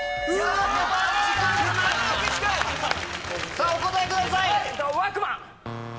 さぁお答えください！